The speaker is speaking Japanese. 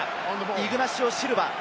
イグナシオ・シルバ。